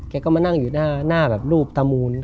แกก็มานั่งอยู่หน้าแบบรูปตามูน